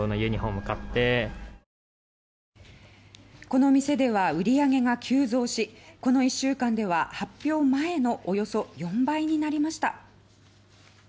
この店では売り上げが急増しこの１週間では発表前のおよそ４倍になりました。